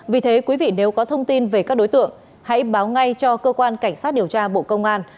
vì thế quý vị nếu có thông tin về các đối tượng hãy báo ngay cho cơ quan cảnh sát điều tra bộ công an